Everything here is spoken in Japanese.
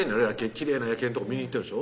きれいな夜景のとこ見に行ってるんでしょ？